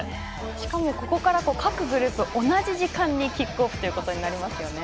しかも、ここから各グループ同じ時間にキックオフとなりますよね。